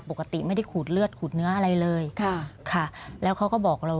ปกติไม่ได้ขูดเลือดขูดเนื้ออะไรเลยค่ะค่ะแล้วเขาก็บอกเรา